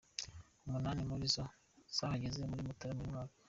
Umunani muri zo zahagaze muri Mutarama uyu mwaka.